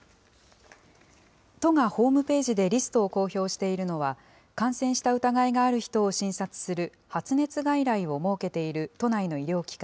都がホームページでリストを公表しているのは、感染した疑いがある人を診察する発熱外来を設けている都内の医療機関